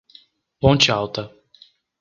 Ponte Alta